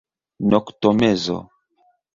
Noktomezo.